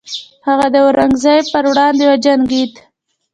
هغه د اورنګزیب پر وړاندې وجنګید.